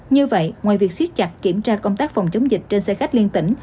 như vậy ngoài việc siết chặt kiểm tra công tác phòng chống dịch trên xe khách liên tỉnh